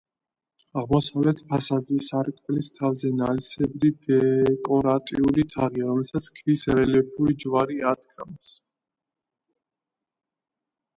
აღმოსავლეთ ფასადზე, სარკმლის თავზე, ნალისებრი დეკორატიული თაღია, რომელსაც ქვის რელიეფური ჯვარი ადგას.